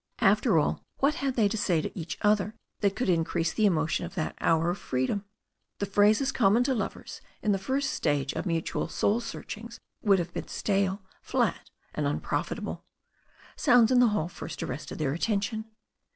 After all, what had they to say to each other that could increase the emotion of that hour of free dom? The phrases common to lovers in the first stage of mutual soul searchings would have been stale, flat and un profitable. Sounds in the hall first arrested their attention.